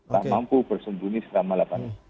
tak mampu bersembunyi selama delapan tahun